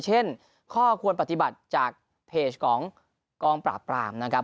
เช่นข้อควรปฏิบัติจากเพจของกองปราบปรามนะครับ